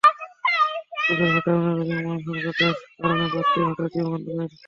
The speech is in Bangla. সদরঘাট টার্মিনালে যানবাহন সংকটের কারণে বাড়তি ভাড়া দিয়ে গন্তব্যে যেতে হচ্ছে।